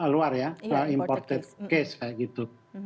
luar ya soal imported case kayak gitu